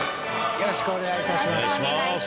よろしくお願いします。